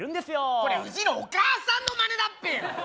これうちのお母さんのまねだっぺよ！